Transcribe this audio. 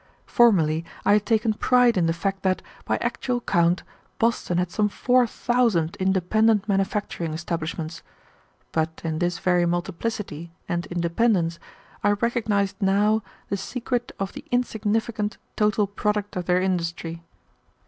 Formerly I had taken pride in the fact that, by actual count, Boston had some four thousand independent manufacturing establishments; but in this very multiplicity and independence I recognized now the secret of the insignificant total product of their industry.